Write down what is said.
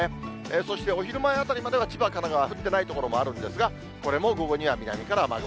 そしてお昼前あたりまでは、千葉、神奈川、降ってない所もあるんですが、これも午後には南から雨雲。